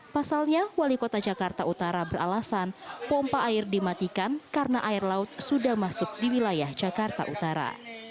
pasalnya wali kota jakarta utara beralasan pompa air dimatikan karena air laut sudah masuk di wilayah jakarta utara